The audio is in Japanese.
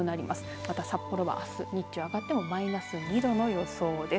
また札幌はあす日中上がってもマイナス２度の予想です。